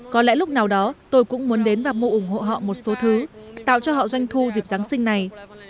có lẽ lúc nào đó tôi cũng muốn đến và mua ủng hộ họ một số thứ tạo cho họ doanh thu dịp giáng sinh này